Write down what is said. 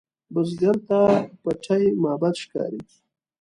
بزګر ته پټي معبد ښکاري